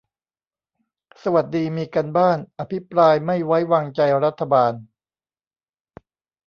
สวัสดีมีการบ้าน อภิปรายไม่ไว้วางใจรัฐบาล